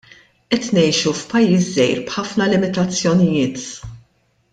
Qed ngħixu f'pajjiż żgħir b'ħafna limitazzjonijiet.